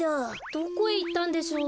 どこへいったんでしょう？